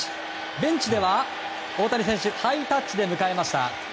ベンチでは、大谷選手ハイタッチで迎えました。